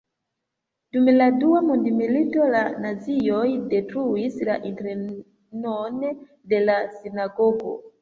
Dum la dua mondmilito la nazioj detruis la internon de la sinagogo.